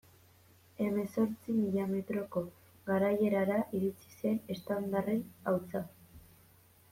Hemezortzi mila metroko garaierara iritsi zen eztandaren hautsa.